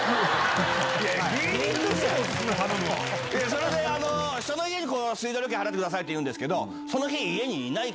それでひとの家に「水道料金払ってください」って言うんですけど。